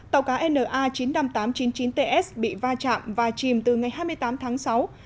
tàu cá na chín mươi năm nghìn tám trăm chín mươi chín ts bị va chạm và chìm từ ngày hai mươi tám tháng sáu